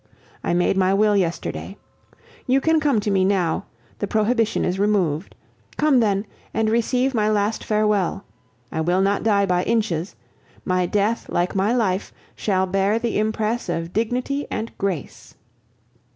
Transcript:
I made my will yesterday. You can come to me now, the prohibition is removed. Come, then, and receive my last farewell. I will not die by inches; my death, like my life, shall bear the impress of dignity and grace.